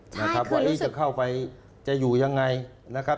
นะครับว่าจะเข้าไปจะอยู่ยังไงนะครับ